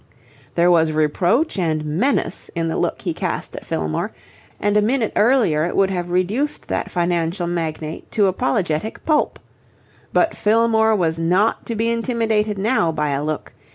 There was reproach and menace in the look he cast at Fillmore, and a minute earlier it would have reduced that financial magnate to apologetic pulp. But Fillmore was not to be intimidated now by a look.